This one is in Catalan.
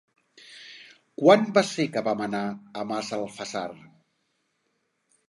Quan va ser que vam anar a Massalfassar?